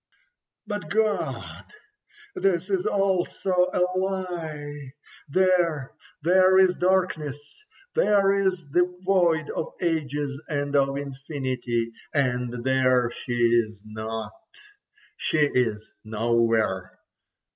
But God! This is also a lie. There, there is darkness, there is the void of ages and of infinity, and there she is not—she is nowhere.